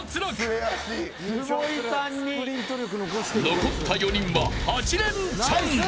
残った４人は８レンチャン。